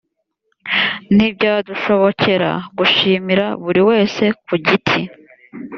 ntibyadushobokera gushimira buri wese ku giti